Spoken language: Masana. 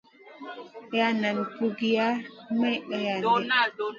La na pugiya may irandi.